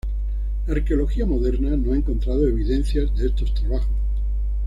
La arqueología moderna no ha encontrado evidencias de estos trabajos.